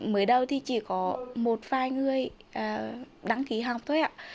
mới đầu thì chỉ có một vài người đăng ký học thôi ạ